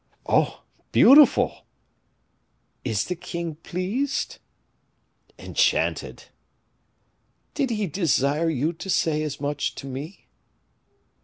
"Oh! beautiful!" "Is the king pleased?" "Enchanted." "Did he desire you to say as much to me?"